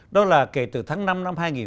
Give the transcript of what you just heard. đó là kể từ tháng năm năm hai nghìn một mươi